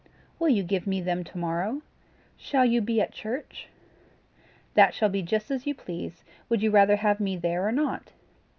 "Will you give me them to morrow? Shall you be at church?" "That shall be just as you please: would you rather have me there or not?"